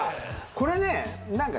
これね何か。